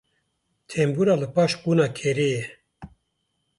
Tembûra li paş qûna kerê ye.